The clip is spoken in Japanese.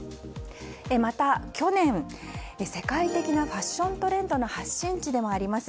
また去年、世界的なファッショントレンドの発信地でもあります